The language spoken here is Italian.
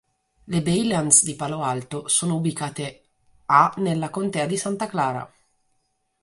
Le Baylands di Palo Alto sono ubicate a nella contea di Santa Clara.